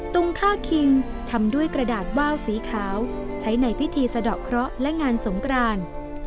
ตุงฆ่าคิงทำด้วยกระดาษว่าวสีขาวใช้ในพิธีสะดอกเคราะห์และงานสงกราน